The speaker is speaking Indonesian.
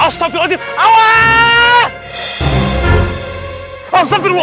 ditoupin suhaible tunggu awang